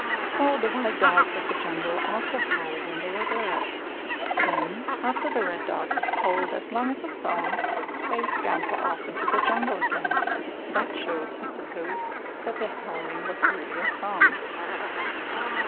So the wild dogs of the jungle also howl when they are glad. Then, after the red dogs have howled as long as a song, they scamper off into the jungle again. That shows, I suppose, that their howling was really a song!